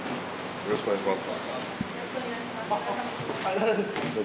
よろしくお願いします。